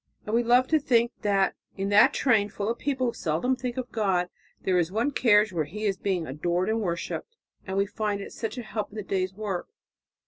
And we love to think that in that train, full of people who seldom think of God, there is one carriage where He is being adored and worshipped. And we find it such a help in the day's work."